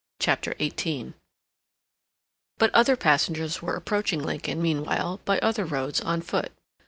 CHAPTER XVIII But other passengers were approaching Lincoln meanwhile by other roads on foot.